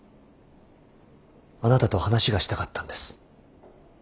あなたと話がしたかったんです。